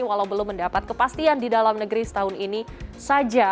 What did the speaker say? walau belum mendapat kepastian di dalam negeri setahun ini saja